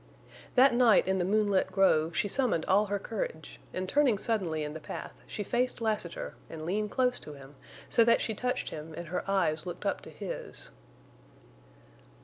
That night in the moonlit grove she summoned all her courage and, turning suddenly in the path, she faced Lassiter and leaned close to him, so that she touched him and her eyes looked up to his.